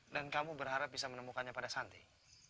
dan kamu berharap bisa menemukannya pada santih